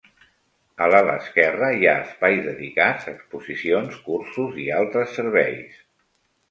A l'ala esquerra, hi ha espais dedicats a exposicions, cursos i altres serveis.